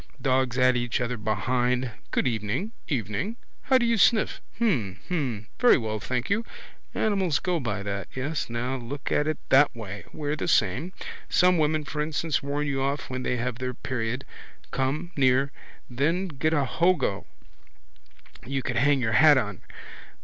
Dogs at each other behind. Good evening. Evening. How do you sniff? Hm. Hm. Very well, thank you. Animals go by that. Yes now, look at it that way. We're the same. Some women, instance, warn you off when they have their period. Come near. Then get a hogo you could hang your hat on.